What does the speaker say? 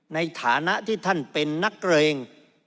ในฐานะที่ท่านเป็นนักเรง